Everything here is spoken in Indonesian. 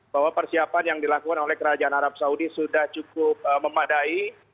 bahwa persiapan yang dilakukan oleh kerajaan arab saudi sudah cukup memadai